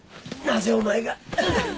なぜお前がうっ！